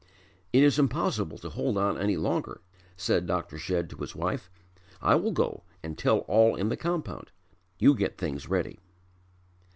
"It is impossible to hold on any longer," said Dr. Shedd to his wife. "I will go and tell all in the compound. You get things ready."